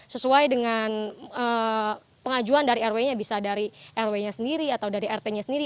sesuai dengan pengajuan dari rw nya bisa dari rw nya sendiri atau dari rt nya sendiri